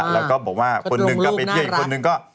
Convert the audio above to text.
แล้วก็บอกว่าคนหนึ่งก็ไปเที่ยวอีกคนนึงก็